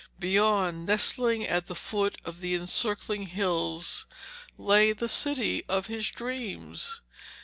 Beyond, nestling at the foot of the encircling hills, lay the city of his dreams.